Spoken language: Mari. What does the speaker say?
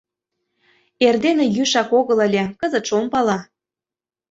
Эрдене йӱшак огыл ыле, кызытше ом пале.